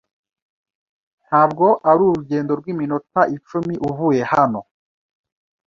Ntabwo ari urugendo rw'iminota icumi uvuye hano.